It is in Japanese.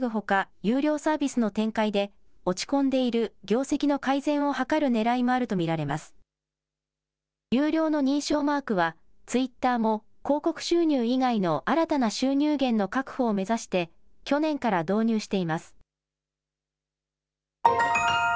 有料の認証マークは、ツイッターも広告収入以外の新たな収入源の確保を目指して、去年から導入しています。